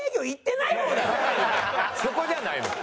そこじゃないのよ。